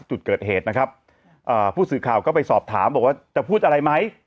จุดเกิดเหตุนะครับผู้สื่อข่าวก็ไปสอบถามบอกว่าจะพูดอะไรไหม